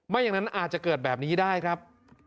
อย่างนั้นอาจจะเกิดแบบนี้ได้ครับ